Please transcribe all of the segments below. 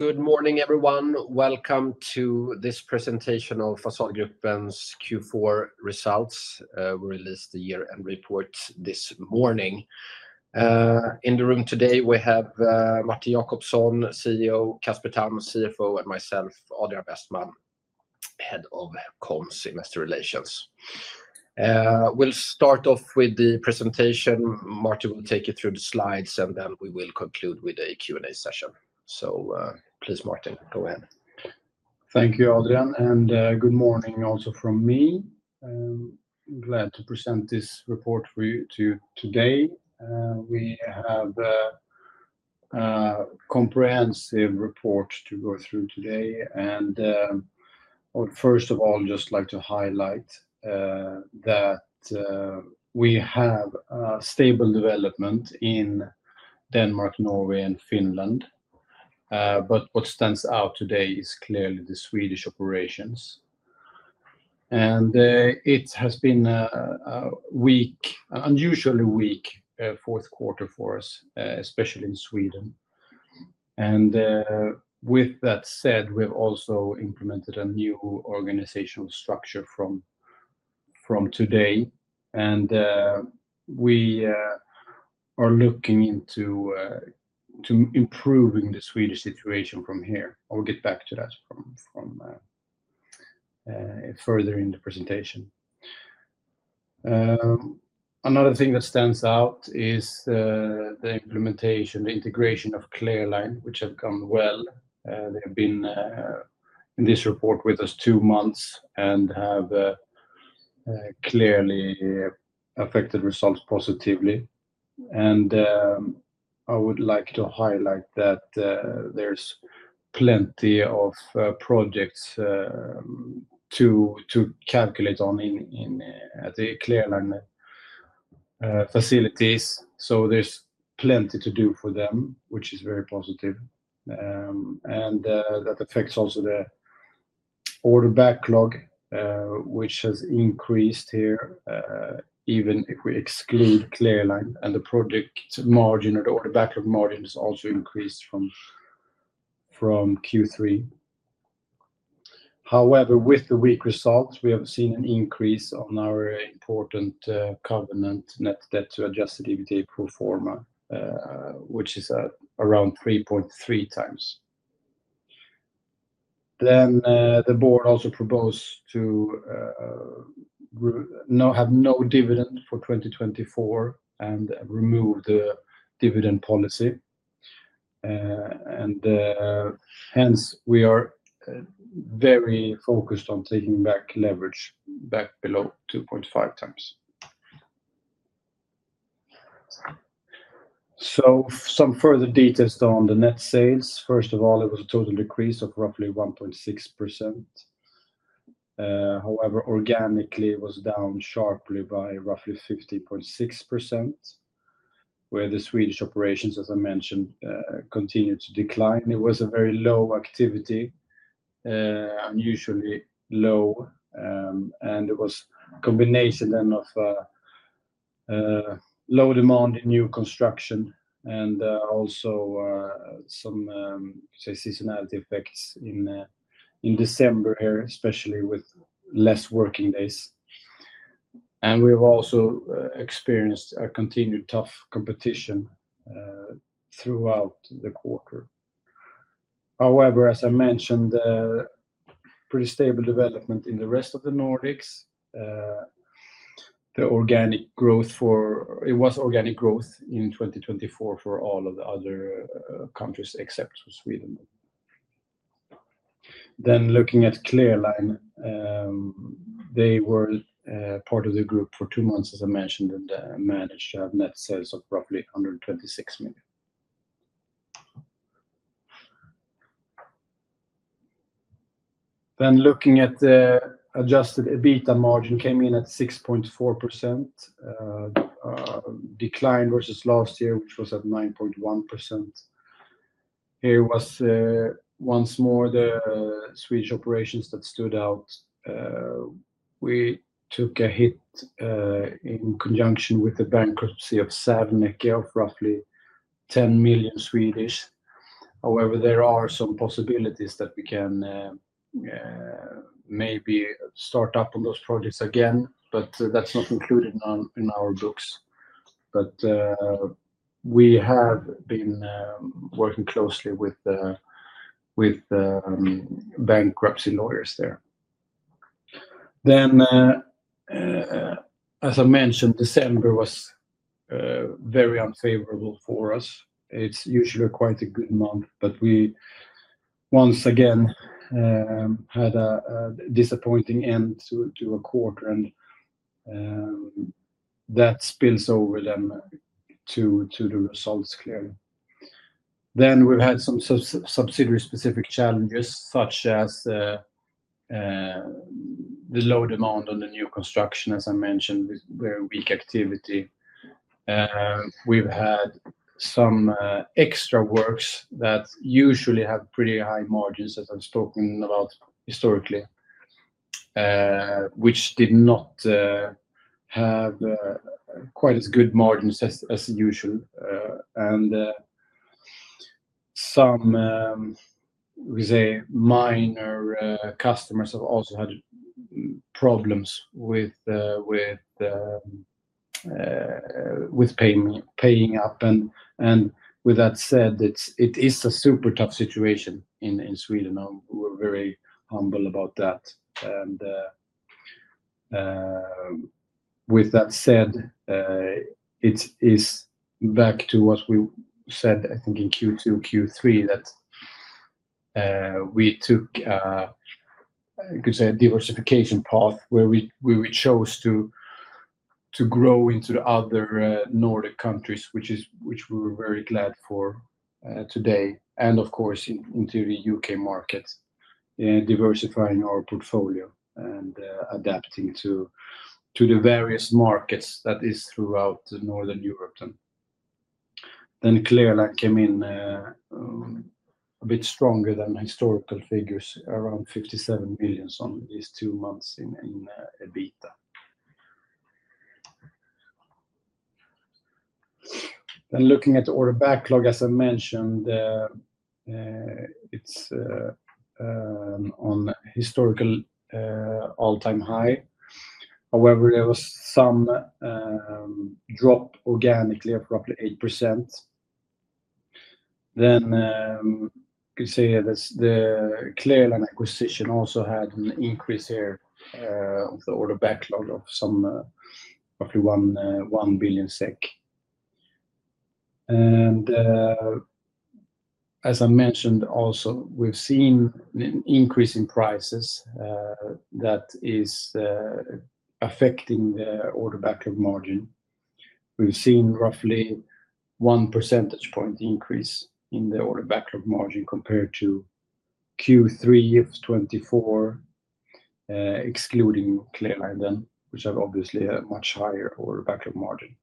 Good morning, everyone. Welcome to this presentation of Fasadgruppen's Q4 results. We released the year-end report this morning. In the room today, we have Martin Jacobsson, CEO, Casper Tamm, CFO, and myself, Adrian Westman, Head of Communications and Investor Relations. We'll start off with the presentation. Martin will take you through the slides, and then we will conclude with a Q&A session. Please, Martin, go ahead. Thank you, Adrian, and good morning also from me. I'm glad to present this report to you today. We have a comprehensive report to go through today. First of all, I'd just like to highlight that we have stable development in Denmark, Norway, and Finland. What stands out today is clearly the Swedish operations. It has been a weak, unusually weak fourth quarter for us, especially in Sweden. With that said, we've also implemented a new organizational structure from today. We are looking into improving the Swedish situation from here. I'll get back to that further in the presentation. Another thing that stands out is the implementation, the integration of Clearl Line, which have gone well. They have been in this report with us two months and have clearly affected results positively. I would like to highlight that there is plenty of projects to calculate on at the Clear Line facilities. There is plenty to do for them, which is very positive. That affects also the order backlog, which has increased here, even if we exclude Clear Line. The project margin or the order backlog margin has also increased from Q3. However, with the weak results, we have seen an increase on our important covenant, Net debt to adjusted EBITDA pro forma, which is around 3.3 times. The board also proposed to have no dividend for 2024 and remove the dividend policy. Hence, we are very focused on taking leverage back below 2.5 times. Some further details on the net sales. First of all, it was a total decrease of roughly 1.6%. However, organically, it was down sharply by roughly 15.6%, where the Swedish operations, as I mentioned, continued to decline. It was a very low activity, unusually low. It was a combination then of low demand in new construction and also some seasonality effects in December here, especially with less working days. We have also experienced continued tough competition throughout the quarter. However, as I mentioned, pretty stable development in the rest of the Nordics. The organic growth for it was organic growth in 2024 for all of the other countries except for Sweden. Looking at Clear Line, they were part of the group for two months, as I mentioned, and managed to have net sales of roughly 126 million. Looking at the adjusted EBITDA margin, it came in at 6.4%, declined versus last year, which was at 9.1%. Here it was once more the Swedish operations that stood out. We took a hit in conjunction with the bankruptcy of Savneke of roughly 10 million. However, there are some possibilities that we can maybe start up on those projects again, but that's not included in our books. We have been working closely with bankruptcy lawyers there. As I mentioned, December was very unfavorable for us. It's usually quite a good month, but we once again had a disappointing end to a quarter, and that spills over to the results clearly. We have had some subsidiary-specific challenges, such as the low demand on the new construction, as I mentioned, with very weak activity. We have had some extra works that usually have pretty high margins, as I've spoken about historically, which did not have quite as good margins as usual. Some minor customers have also had problems with paying up. With that said, it is a super tough situation in Sweden. We're very humble about that. With that said, it is back to what we said, I think, in Q2, Q3, that we took a diversification path where we chose to grow into the other Nordic countries, which we're very glad for today. Of course, into the U.K. market, diversifying our portfolio and adapting to the various markets that are throughout Northern Europe. Clear Line came in a bit stronger than historical figures, around 57 million some of these two months in EBITDA. Looking at the order backlog, as I mentioned, it's on historical all-time high. However, there was some drop organically of roughly 8%. You can say that the Clear Line acquisition also had an increase here of the order backlog of some roughly 1 billion SEK. As I mentioned, also, we've seen an increase in prices that is affecting the order backlog margin. We've seen roughly one percentage point increase in the order backlog margin compared to Q3 of 2024, excluding Clear Line then, which have obviously a much higher order backlog margin.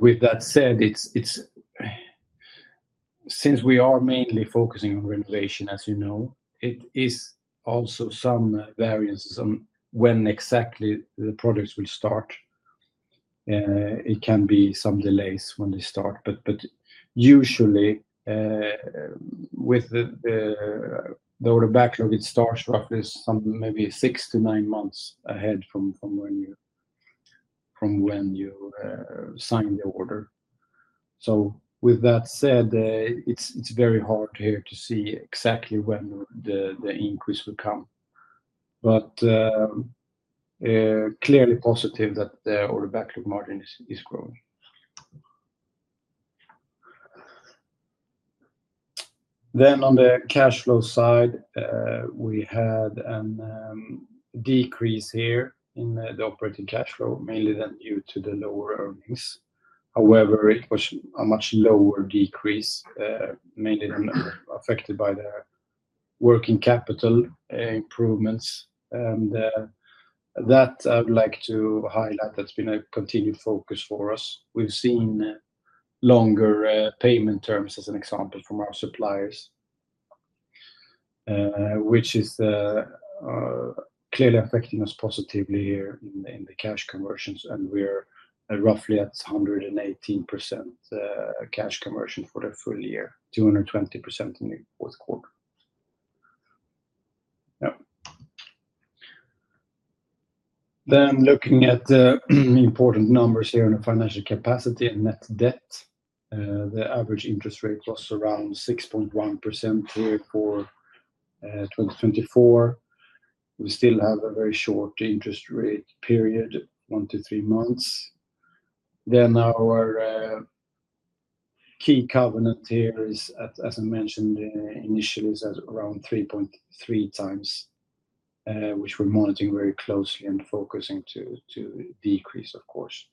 With that said, since we are mainly focusing on renovation, as you know, it is also some variances on when exactly the projects will start. It can be some delays when they start. Usually, with the order backlog, it starts roughly maybe six to nine months ahead from when you sign the order. With that said, it's very hard here to see exactly when the increase will come. Clearly positive that the order backlog margin is growing. On the cash flow side, we had a decrease here in the operating cash flow, mainly then due to the lower earnings. However, it was a much lower decrease, mainly affected by the working capital improvements. That I would like to highlight. That's been a continued focus for us. We've seen longer payment terms, as an example, from our suppliers, which is clearly affecting us positively here in the cash conversions. We're roughly at 118% cash conversion for the full year, 220% in the fourth quarter. Looking at the important numbers here on the financial capacity and net debt, the average interest rate was around 6.1% here for 2024. We still have a very short interest rate period, one to three months. Our key covenant here is, as I mentioned initially, around 3.3 times, which we're monitoring very closely and focusing to decrease, of course.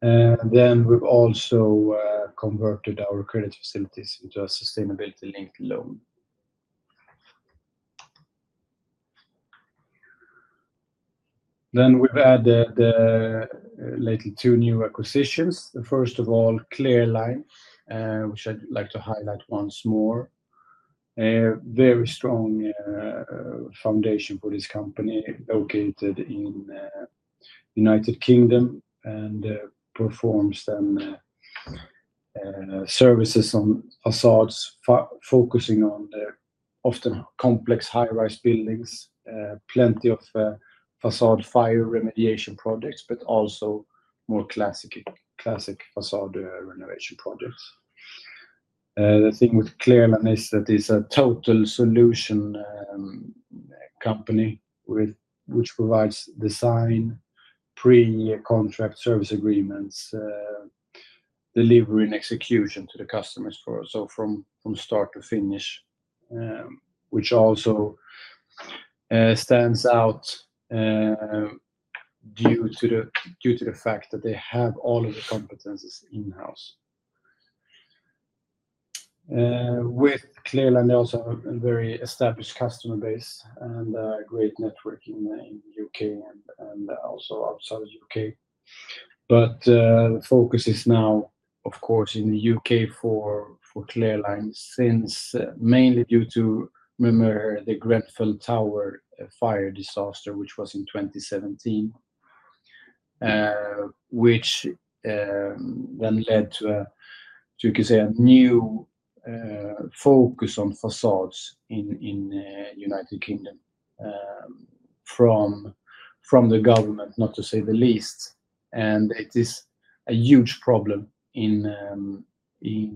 We have also converted our credit facilities into a sustainability-linked loan. We have added two new acquisitions. First of all, Clear Line, which I would like to highlight once more. Very strong foundation for this company located in the U.K. and performs services on facades, focusing on often complex high-rise buildings, plenty of facade fire remediation projects, but also more classic facade renovation projects. The thing with Clear Line is that it is a total solution company which provides design, pre-contract service agreements, delivery, and execution to the customers for us, so from start to finish, which also stands out due to the fact that they have all of the competencies in-house. With Clear Line, they also have a very established customer base and a great network in the U.K. and also outside the U.K. The focus is now, of course, in the U.K. for Clear Line since mainly due to the Grenfell Tower fire disaster, which was in 2017, which then led to, you can say, a new focus on facades in the United Kingdom from the government, not to say the least. It is a huge problem in the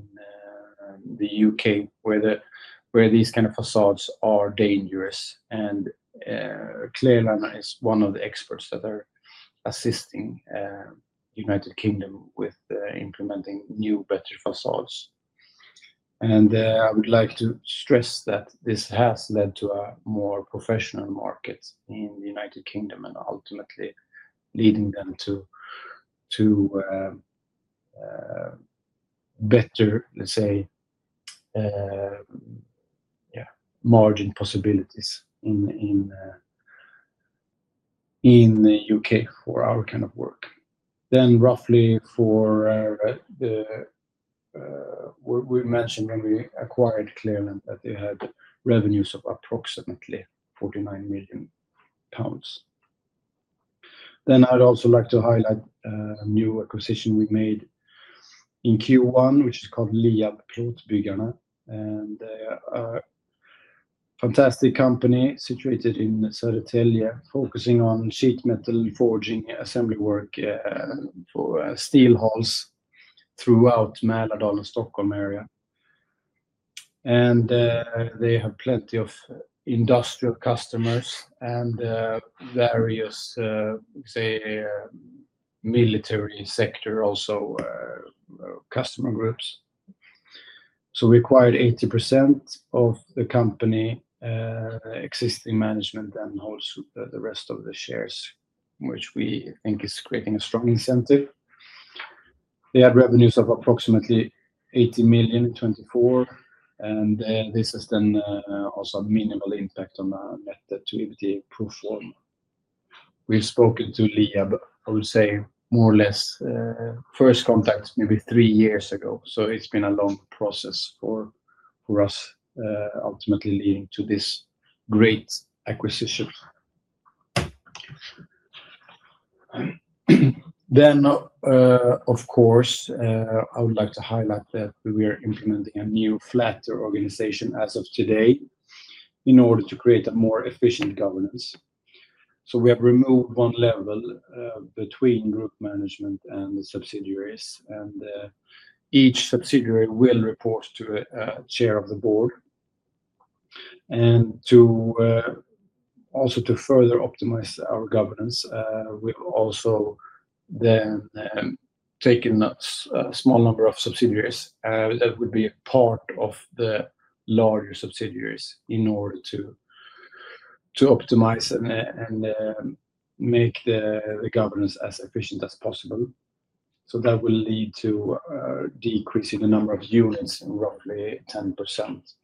U.K. where these kind of facades are dangerous. Clear Line is one of the experts that are assisting the United Kingdom with implementing new, better facades. I would like to stress that this has led to a more professional market in the United Kingdom and ultimately leading them to better, let's say, margin possibilities in the U.K. for our kind of work. Roughly for the, we mentioned when we acquired Clear Line that they had revenues of approximately 49 million pounds. I'd also like to highlight a new acquisition we made in Q1, which is called Liab Plåtbyggarna. A fantastic company situated in Södertälje, focusing on sheet metal forging assembly work for steel halls throughout the Mälardalen Stockholm area. They have plenty of industrial customers and various, say, military sector also customer groups. We acquired 80% of the company, existing management holds the rest of the shares, which we think is creating a strong incentive. They had revenues of approximately 80 million in 2024. This has then also a minimal impact on the net debt to Adjusted EBITDA Pro Forma. We've spoken to Liab, I would say, more or less first contact maybe three years ago. It's been a long process for us ultimately leading to this great acquisition. Of course, I would like to highlight that we are implementing a new flatter organization as of today in order to create a more efficient governance. We have removed one level between group management and the subsidiaries. Each subsidiary will report to a chair of the board. Also, to further optimize our governance, we've taken a small number of subsidiaries that would be a part of the larger subsidiaries in order to optimize and make the governance as efficient as possible. That will lead to a decrease in the number of units in roughly 10%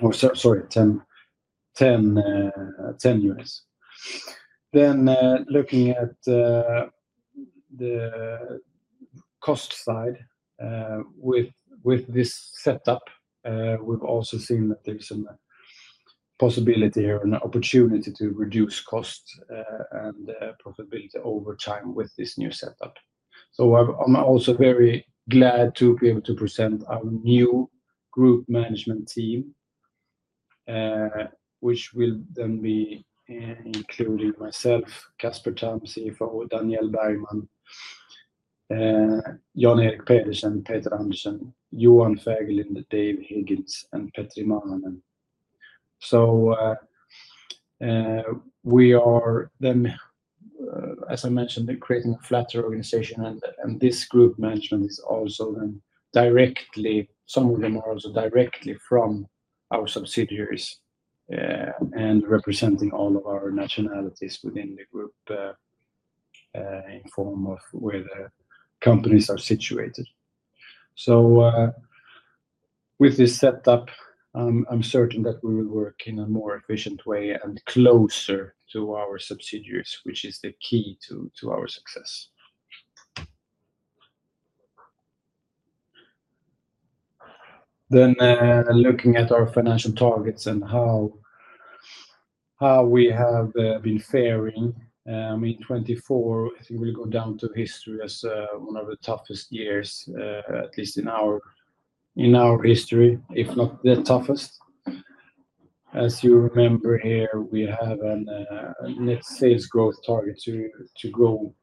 or, sorry, 10 units. Looking at the cost side, with this setup, we've also seen that there's a possibility here and an opportunity to reduce cost and profitability over time with this new setup. I am also very glad to be able to present our new group management team, which will then be including myself, Casper Tamm, CFO, Daniel Bergman, Jan Erik Pedersen, Peter Andersson, Johan Fagerlind, Dave Higgins, and Petri Mannen. We are then, as I mentioned, creating a flatter organization. This group management is also then directly, some of them are also directly from our subsidiaries and representing all of our nationalities within the group in form of where the companies are situated. With this setup, I am certain that we will work in a more efficient way and closer to our subsidiaries, which is the key to our success. Looking at our financial targets and how we have been faring, I mean, 2024, I think will go down to history as one of the toughest years, at least in our history, if not the toughest. As you remember here, we have a net sales growth target to grow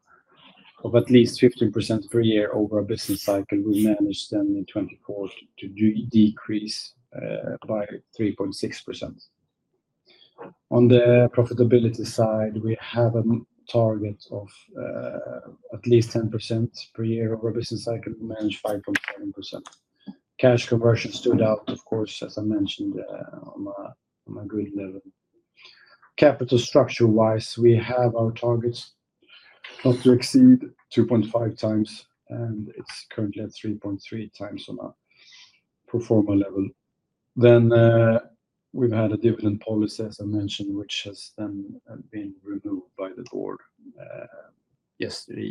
of at least 15% per year over a business cycle. We managed then in 2024 to decrease by 3.6%. On the profitability side, we have a target of at least 10% per year over a business cycle, managed 5.7%. Cash conversion stood out, of course, as I mentioned, on a good level. Capital structure-wise, we have our targets not to exceed 2.5 times, and it is currently at 3.3 times on a pro forma level. We have had a dividend policy, as I mentioned, which has then been removed by the board yesterday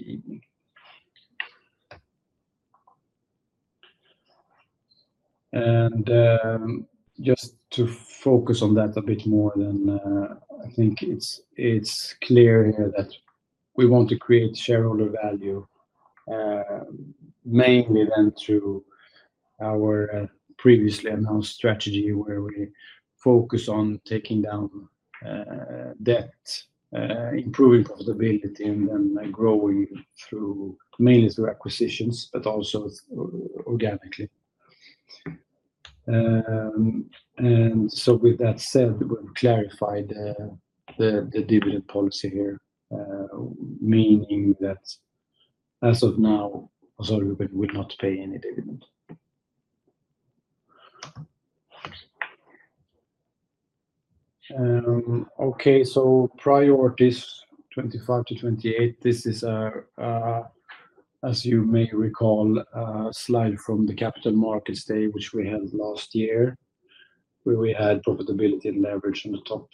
evening. Just to focus on that a bit more, I think it's clear here that we want to create shareholder value mainly through our previously announced strategy where we focus on taking down debt, improving profitability, and then growing mainly through acquisitions, but also organically. With that said, we've clarified the dividend policy here, meaning that as of now, sorry, we will not pay any dividend. Priorities 2025 to 2028, this is, as you may recall, a slide from the capital markets day, which we had last year, where we had profitability and leverage on the top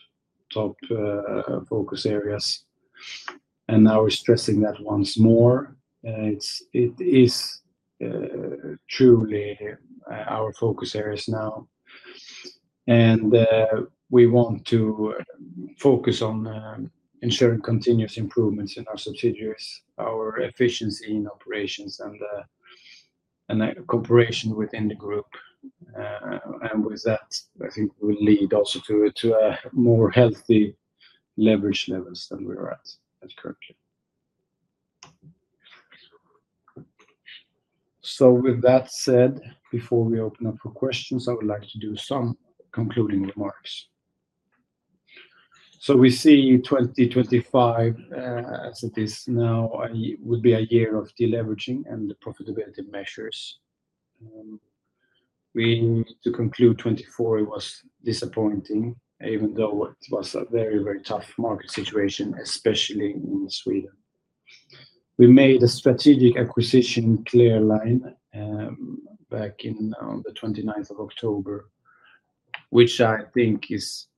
focus areas. Now we're stressing that once more. It is truly our focus areas now. We want to focus on ensuring continuous improvements in our subsidiaries, our efficiency in operations, and cooperation within the group. With that, I think we'll lead also to more healthy leverage levels than we are at currently. With that said, before we open up for questions, I would like to do some concluding remarks. We see 2025, as it is now, would be a year of deleveraging and profitability measures. We need to conclude 2024. It was disappointing, even though it was a very, very tough market situation, especially in Sweden. We made a strategic acquisition, Clear Line, back on the 29th of October, which I think is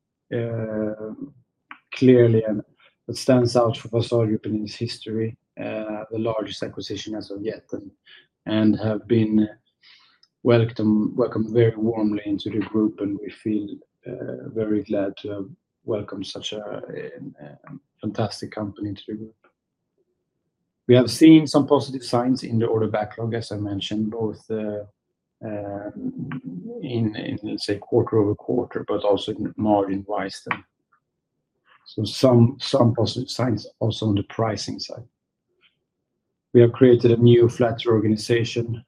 clearly what stands out for Fasadgruppen Group in its history, the largest acquisition as of yet. We have been welcomed very warmly into the group, and we feel very glad to have welcomed such a fantastic company into the group. We have seen some positive signs in the order backlog, as I mentioned, both in, let's say, quarter over quarter, but also margin-wise. Some positive signs also on the pricing side. We have created a new flatter organization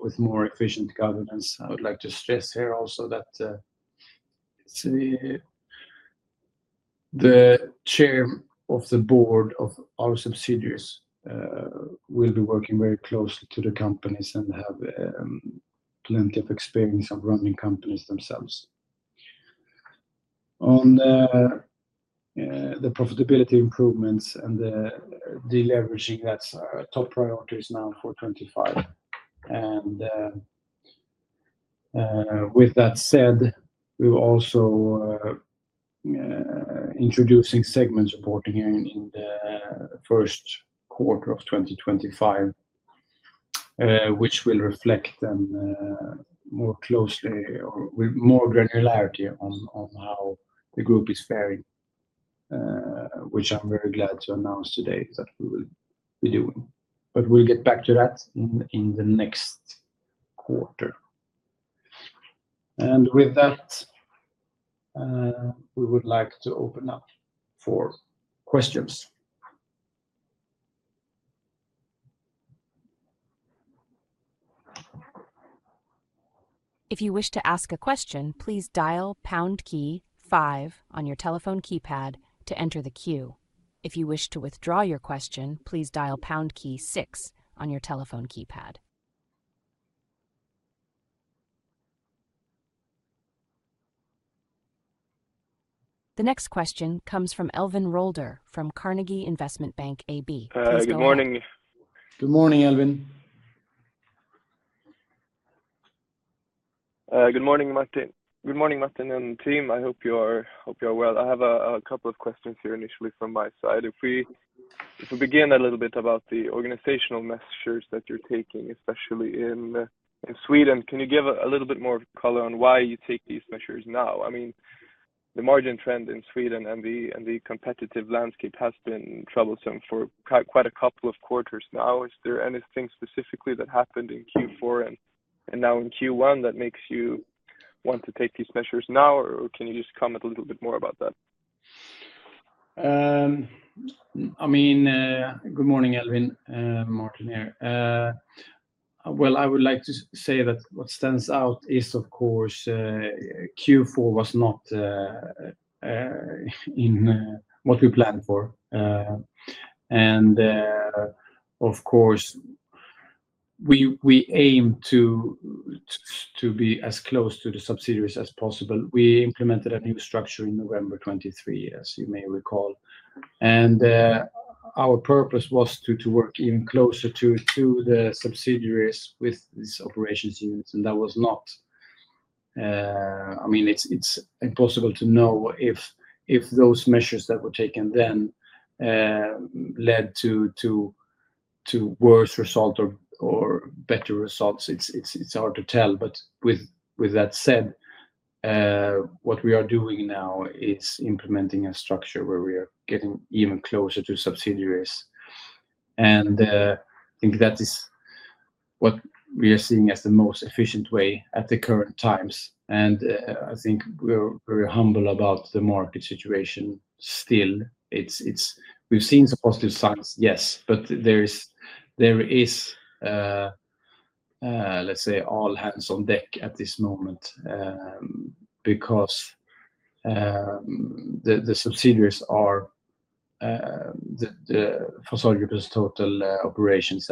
with more efficient governance. I would like to stress here also that the chair of the board of our subsidiaries will be working very closely to the companies and have plenty of experience of running companies themselves. On the profitability improvements and the deleveraging, that's top priorities now for 2025. With that said, we're also introducing segments reporting in the first quarter of 2025, which will reflect then more closely or with more granularity on how the group is faring, which I'm very glad to announce today that we will be doing. We'll get back to that in the next quarter. With that, we would like to open up for questions. If you wish to ask a question, please dial pound key 5 on your telephone keypad to enter the queue. If you wish to withdraw your question, please dial pound key 6 on your telephone keypad. The next question comes from Elvin Rolder from Carnegie Investment Bank AB. Good morning. Good morning, Elvin. Good morning, Martin. Good morning, Martin and team. I hope you are well. I have a couple of questions here initially from my side. If we begin a little bit about the organizational measures that you are taking, especially in Sweden, can you give a little bit more color on why you take these measures now? I mean, the margin trend in Sweden and the competitive landscape has been troublesome for quite a couple of quarters now. Is there anything specifically that happened in Q4 and now in Q1 that makes you want to take these measures now, or can you just comment a little bit more about that? I mean, good morning, Elvin, Martin here. I would like to say that what stands out is, of course, Q4 was not in what we planned for. Of course, we aim to be as close to the subsidiaries as possible. We implemented a new structure in November 2023, as you may recall. Our purpose was to work even closer to the subsidiaries with these operations units. That was not, I mean, it's impossible to know if those measures that were taken then led to worse result or better results. It's hard to tell. With that said, what we are doing now is implementing a structure where we are getting even closer to subsidiaries. I think that is what we are seeing as the most efficient way at the current times. I think we're very humble about the market situation still. We've seen some positive signs, yes. There is, let's say, all hands on deck at this moment because the subsidiaries are the Fasadgruppen Group's total operations.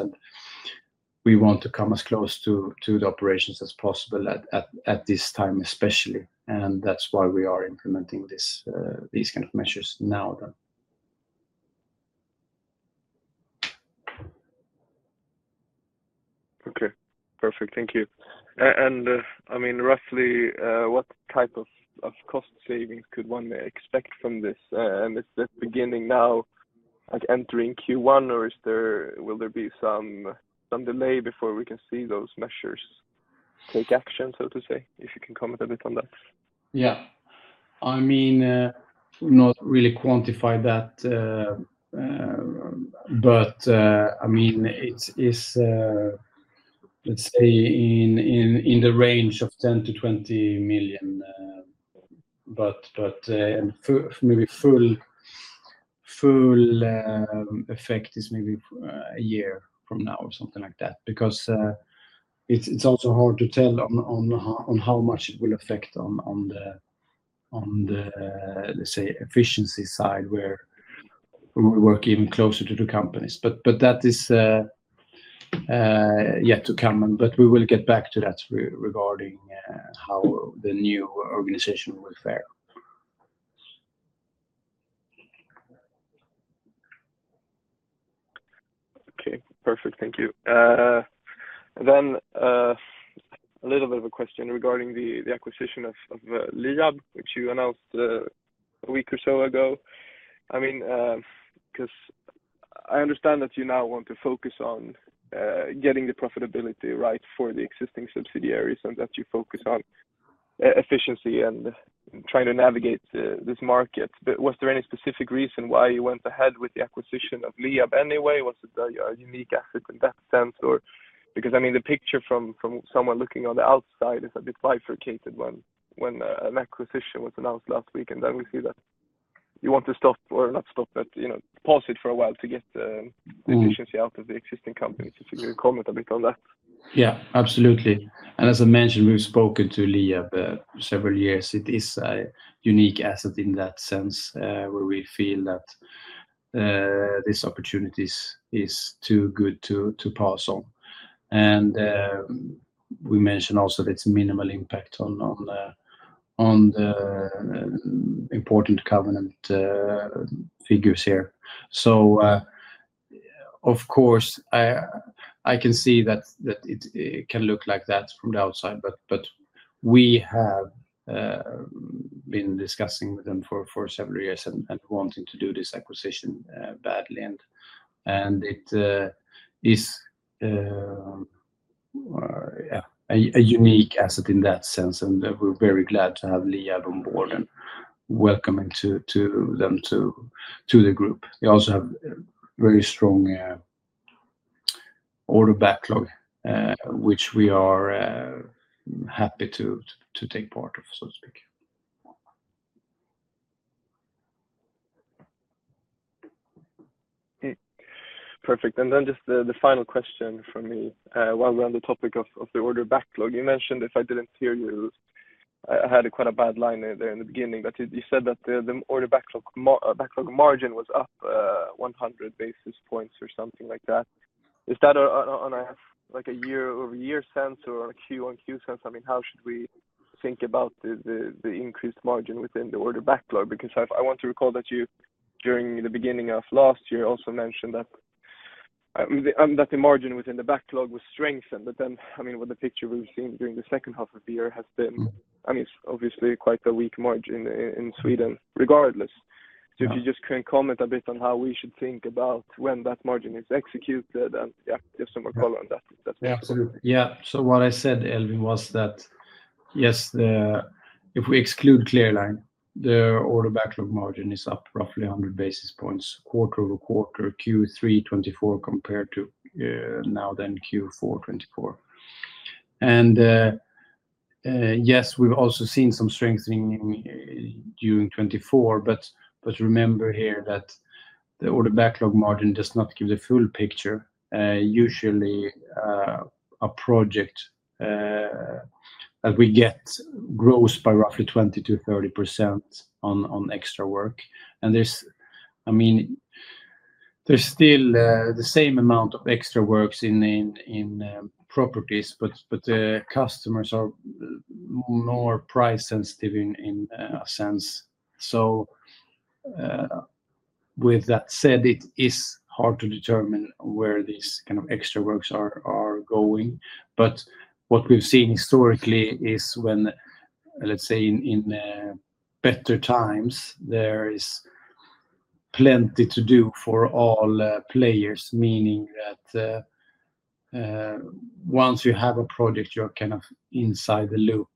We want to come as close to the operations as possible at this time, especially. That's why we are implementing these kind of measures now then. Okay. Perfect. Thank you. I mean, roughly, what type of cost savings could one expect from this? Is that beginning now, like entering Q1, or will there be some delay before we can see those measures take action, so to say, if you can comment a bit on that? Yeah. I mean, not really quantified that. I mean, it is, let's say, in the range of SEK 10-20 million. Maybe full effect is maybe a year from now or something like that because it's also hard to tell on how much it will affect on the, let's say, efficiency side where we work even closer to the companies. That is yet to come. We will get back to that regarding how the new organization will fare. Okay. Perfect. Thank you. A little bit of a question regarding the acquisition of Liab Plåtbyggarna, which you announced a week or so ago. I mean, because I understand that you now want to focus on getting the profitability right for the existing subsidiaries and that you focus on efficiency and trying to navigate this market. Was there any specific reason why you went ahead with the acquisition of Liab Plåtbyggarna anyway? Was it a unique asset in that sense? Because I mean, the picture from someone looking on the outside is a bit bifurcated when an acquisition was announced last week. Then we see that you want to stop or not stop, but pause it for a while to get efficiency out of the existing companies. If you can comment a bit on that. Yeah, absolutely. As I mentioned, we've spoken to Liab Plåtbyggarna for several years. It is a unique asset in that sense where we feel that this opportunity is too good to pass on. We mentioned also that it's a minimal impact on the important covenant figures here. Of course, I can see that it can look like that from the outside. We have been discussing with them for several years and wanting to do this acquisition badly. It is a unique asset in that sense. We are very glad to have Liab Plåtbyggarna on board and welcome them to the group. They also have a very strong order backlog, which we are happy to take part of, so to speak. Perfect. Just the final question from me while we are on the topic of the order backlog. You mentioned, if I did not hear you, I had quite a bad line there in the beginning, but you said that the order backlog margin was up 100 basis points or something like that. Is that on a year-over-year sense or on a Q-on-Q sense? I mean, how should we think about the increased margin within the order backlog? I want to recall that you, during the beginning of last year, also mentioned that the margin within the backlog was strengthened. But then, I mean, with the picture we've seen during the second half of the year has been, I mean, obviously quite a weak margin in Sweden, regardless. If you just can comment a bit on how we should think about when that margin is executed and, yeah, give some more color on that. Absolutely. Yeah. What I said, Elvin, was that, yes, if we exclude Clear Line, the order backlog margin is up roughly 100 basis points, quarter of quarter, Q3 2024 compared to now then Q4 2024. Yes, we've also seen some strengthening during 2024. Remember here that the order backlog margin does not give the full picture. Usually, a project that we get grows by roughly 20-30% on extra work. I mean, there's still the same amount of extra works in properties, but customers are more price-sensitive in a sense. With that said, it is hard to determine where these kind of extra works are going. What we've seen historically is when, let's say, in better times, there is plenty to do for all players, meaning that once you have a project, you're kind of inside the loop.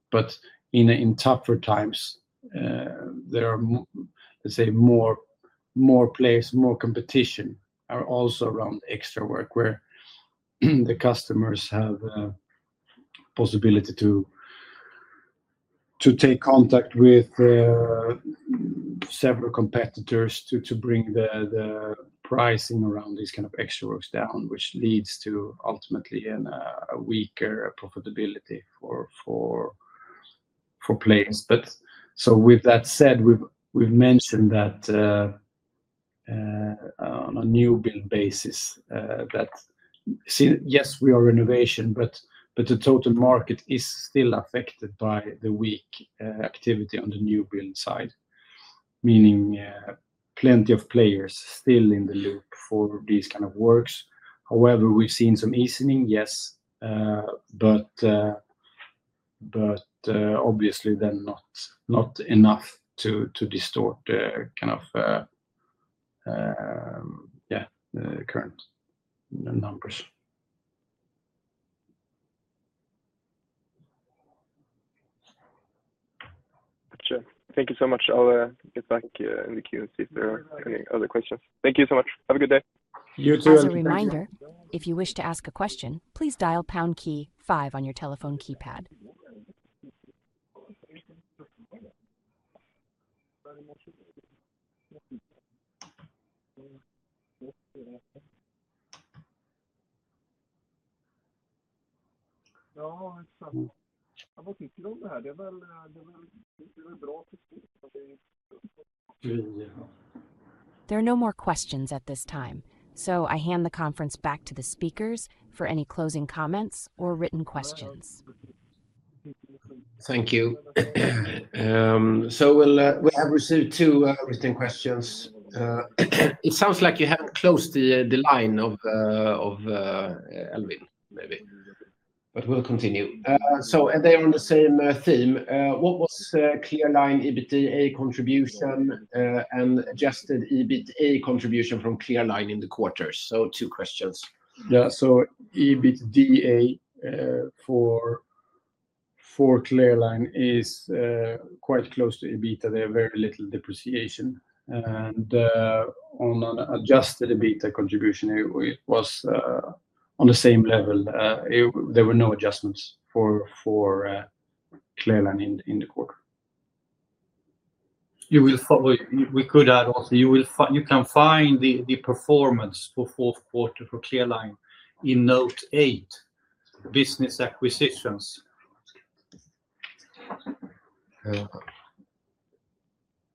In tougher times, there are, let's say, more players, more competition also around extra work where the customers have a possibility to take contact with several competitors to bring the pricing around these kind of extra works down, which leads to ultimately a weaker profitability for players. With that said, we've mentioned that on a new build basis that, yes, we are in innovation, but the total market is still affected by the weak activity on the new build side, meaning plenty of players still in the loop for these kind of works. However, we've seen some easing, yes, but obviously then not enough to distort the kind of, yeah, current numbers. Sure. Thank you so much. I'll get back in the queue and see if there are any other questions. Thank you so much. Have a good day. You too. Thanks for your reminder. If you wish to ask a question, please dial pound key 5 on your telephone keypad. There are no more questions at this time. I hand the conference back to the speakers for any closing comments or written questions. Thank you. We have received two written questions. It sounds like you haven't closed the line of Elvin, maybe. We will continue. They are on the same theme. What was Clear Line EBITDA contribution and adjusted EBITDA contribution from Clear Line in the quarters? Two questions. Yeah. EBITDA for Clear Line is quite close to EBITDA. There is very little depreciation. And on an adjusted EBITDA contribution, it was on the same level. There were no adjustments for Clear Line in the quarter. We could add also, you can find the performance for fourth quarter for Clear Line in note 8, business acquisitions.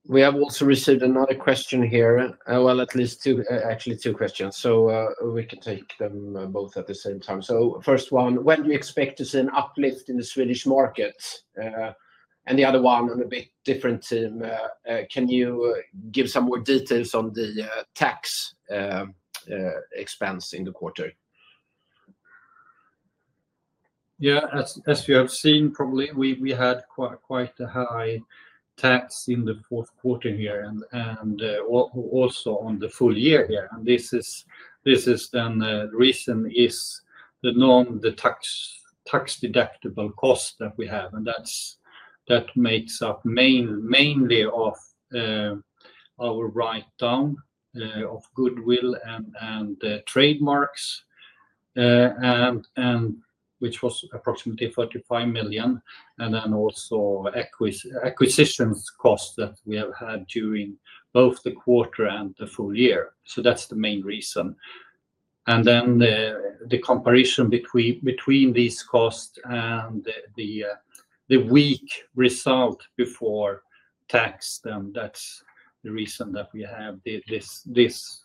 We have also received another question here. At least actually two questions. We can take them both at the same time. The first one, when do you expect to see an uplift in the Swedish market? The other one on a bit different theme, can you give some more details on the tax expense in the quarter? Yeah. As you have seen, probably we had quite a high tax in the fourth quarter here and also on the full year here. This is then, the reason is the non-tax deductible cost that we have. That makes up mainly our write-down of goodwill and trademarks, which was approximately 45 million. Also, acquisition costs that we have had during both the quarter and the full year. That is the main reason. The comparison between these costs and the weak result before tax, that is the reason that we have this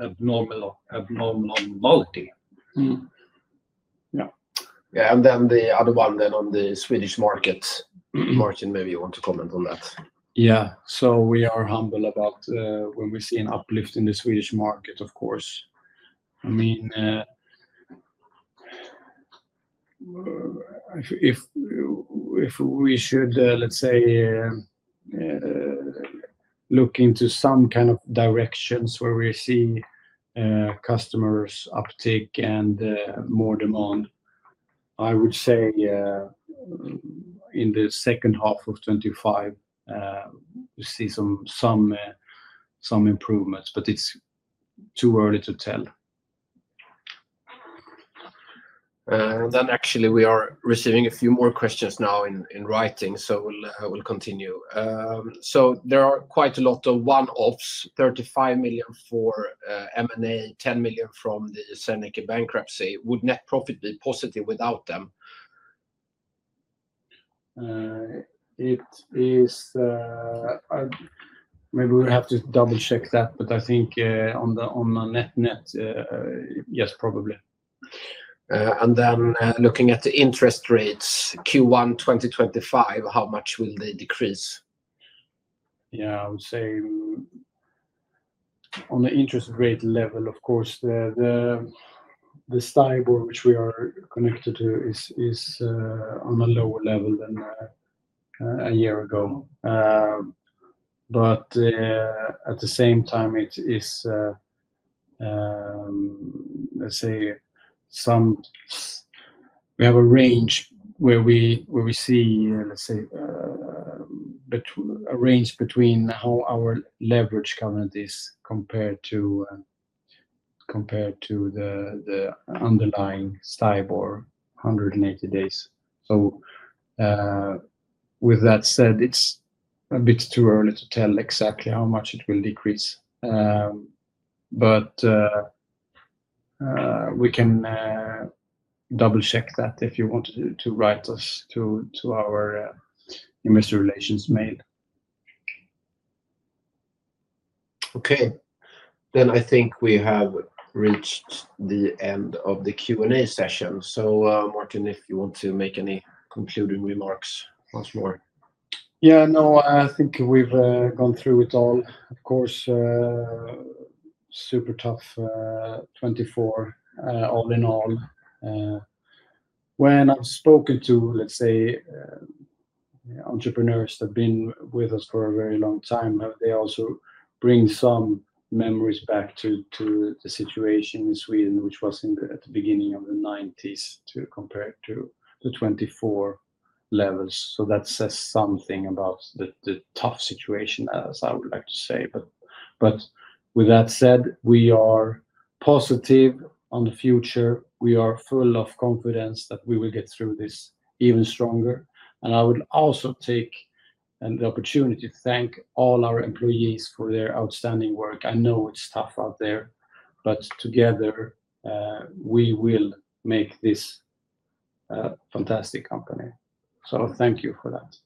abnormal anomaly. Yeah. The other one on the Swedish market, Martin, maybe you want to comment on that. Yeah. We are humble about when we see an uplift in the Swedish market, of course. I mean, if we should, let's say, look into some kind of directions where we see customers' uptick and more demand, I would say in the second half of 2025, we see some improvements. It is too early to tell. Actually, we are receiving a few more questions now in writing. We'll continue. There are quite a lot of one-offs, 35 million for M&A, 10 million from the Savneke bankruptcy. Would net profit be positive without them? Maybe we have to double-check that. I think on the net-net, yes, probably. Looking at the interest rates, Q1 2025, how much will they decrease? Yeah. I would say on the interest rate level, of course, the STIBOR, which we are connected to, is on a lower level than a year ago. At the same time, we have a range where we see a range between how our leverage current is compared to the underlying STIBOR, 180 days. With that said, it's a bit too early to tell exactly how much it will decrease. But we can double-check that if you want to write us to our investor relations mail. Okay. I think we have reached the end of the Q&A session. Martin, if you want to make any concluding remarks once more. Yeah. No, I think we've gone through it all. Of course, super tough 2024, all in all. When I've spoken to, let's say, entrepreneurs that have been with us for a very long time, they also bring some memories back to the situation in Sweden, which was at the beginning of the 1990s compared to the 2024 levels. That says something about the tough situation, as I would like to say. With that said, we are positive on the future. We are full of confidence that we will get through this even stronger. I would also take the opportunity to thank all our employees for their outstanding work. I know it's tough out there, but together, we will make this a fantastic company. Thank you for that.